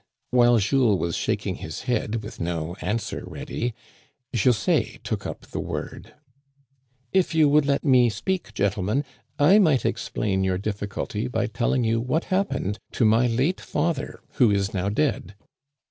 While Jules was shaking his head, with no answer ready, José took up the word. If you would let me speak, gentlemen, I might ex plain your difficulty by telling you what happened to my late father who is now dead."